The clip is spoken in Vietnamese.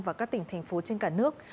và các tỉnh thành phố trên cả nước